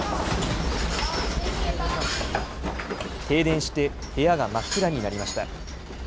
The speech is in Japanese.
停電して部屋が真っ暗になりました。